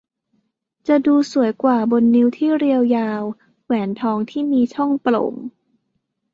จะดูสวยกว่าบนนิ้วที่เรียวยาว แหวนทองที่มีช่องโปร่ง